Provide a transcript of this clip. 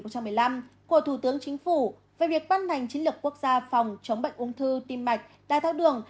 của thủ tướng chính phủ về việc văn hành chính lược quốc gia phòng chống bệnh ung thư tim mạch đai thao đường